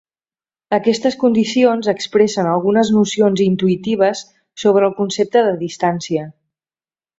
Aquestes condicions expressen algunes nocions intuïtives sobre el concepte de distància.